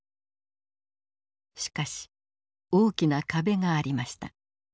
しかし大きな壁がありました。